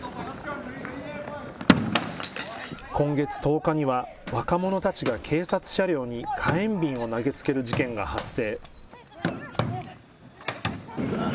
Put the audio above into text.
今月１０日には、若者たちが警察車両に火炎瓶を投げつける事件が発生。